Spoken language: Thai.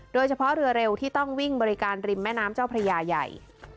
โดยเฉพาะเรือเร็วที่ต้องวิ่งบริการริมแม่น้ำเจ้าพระยาใหญ่